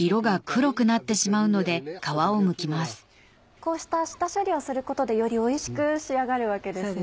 こうした下処理をすることでよりおいしく仕上がるわけですね。